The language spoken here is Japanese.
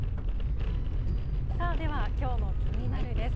さあではきょうのキニナル！です。